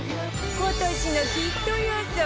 今年のヒット予測！